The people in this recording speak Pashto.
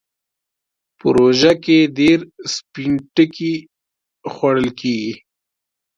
په روژه کې ډېر سپين ټکی خوړل کېږي.